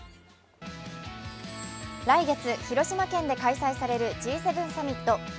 来月、広島県で開催されるＧ７サミット。